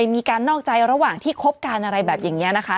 มีการนอกใจระหว่างที่คบกันอะไรแบบอย่างนี้นะคะ